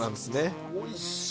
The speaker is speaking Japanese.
おいしい。